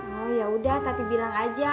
oh yaudah tati bilang aja